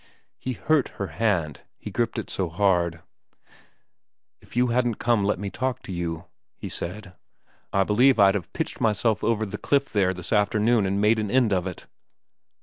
He hurt her hand, he gripped it so hard. ' If you hadn't let me come and talk to you,' he said, ' I believe I'd have pitched myself over the cliff there this afternoon and made an end of it.'